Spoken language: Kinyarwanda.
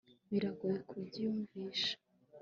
biragoye kubyiyumvisha